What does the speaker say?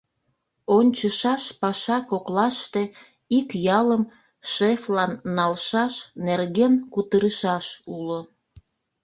Ончышаш паша коклаште ик ялым шефлан налшаш нерген кутырышаш уло.